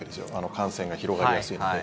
感染が広がりやすいので。